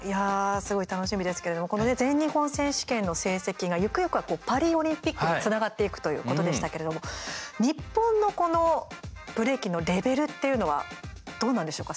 すごい楽しみですけれどこの全日本選手権の成績がゆくゆくはパリオリンピックにつながっていくということでしたけれども日本のブレイキンのレベルっていうのは、どうなんでしょうか？